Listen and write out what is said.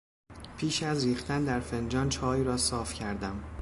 پیش از ریختن در فنجان چای را صافی کردم.